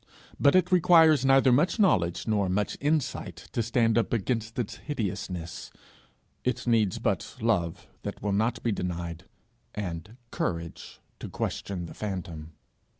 But it requires neither much knowledge nor much insight to stand up against its hideousness; it needs but love that will not be denied, and courage to question the phantom.